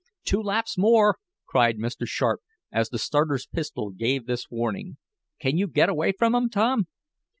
"Two laps more!" cried Mr. Sharp, as the starter's pistol gave this warning. "Can you get away from 'em, Tom?"